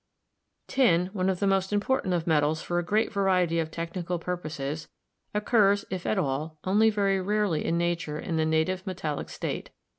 Tin, one of the most important of metals for a great variety of technical purposes, occurs, if at all, only very rarely in nature in the native metallic state.